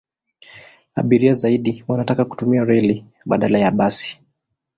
Abiria zaidi wanataka kutumia reli badala ya basi.